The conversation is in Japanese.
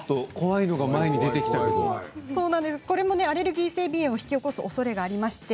アレルギー性鼻炎を引き起こすおそれがありまして。